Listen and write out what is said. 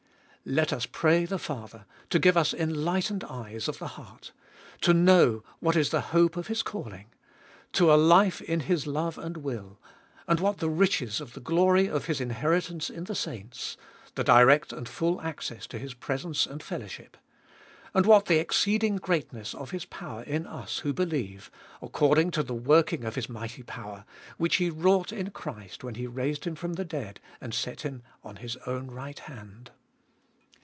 Let us pray the Father to give us enlightened eyes of the hearty to know what is the hope of His calling^ to a life in His love and will, and what the riches of the glory of His inheritance in the saints, — the direct and full access to His presence and fellowship, and what the exceeding greatness of His power in us who believe \ according to the working of His mighty power which He wrought in Christ, when He raised Him from the dead and 282 Gbe Tboliest of set Him on His own right hand.